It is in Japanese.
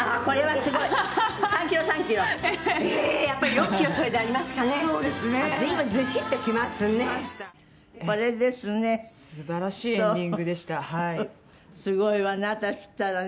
すごいわね私ったらね